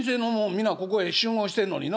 みんなここへ集合してんのにな。